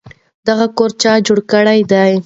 دغه کور چا جوړ کړی دی؟